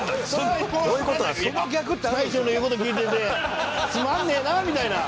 大将の言う事聞いててつまんねえなみたいな。